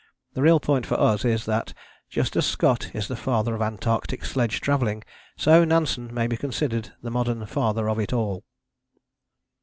The real point for us is that, just as Scott is the Father of Antarctic sledge travelling, so Nansen may be considered the modern Father of it all.